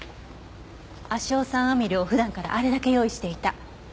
亜硝酸アミルを普段からあれだけ用意していた。